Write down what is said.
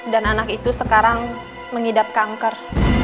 dan anak itu sekarang mengidap kanker